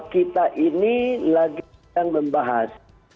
kita ini lagi sedang membahas